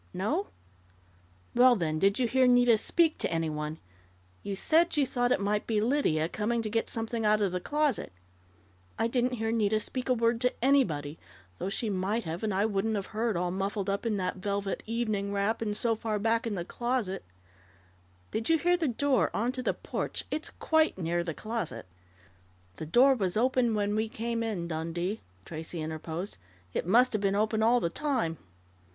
No?... Well, then, did you hear Nita speak to anyone? You said you thought it might be Lydia, coming to get something out of the closet." "I didn't hear Nita speak a word to anybody, though she might have and I wouldn't have heard, all muffled up in that velvet evening wrap and so far back in the closet " "Did you hear the door onto the porch it's quite near the closet " "The door was open when we came in, Dundee," Tracey interposed. "It must have been open all the time."